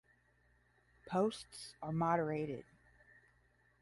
Posts are moderated.